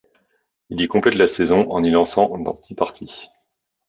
Il y complète la saison en y lançant dans six parties.